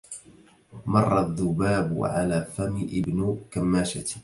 مر الذباب على فم ابن كماشة